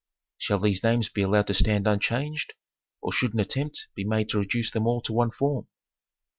Shall these names be allowed to stand unchanged, or should an attempt be made to reduce them all to one form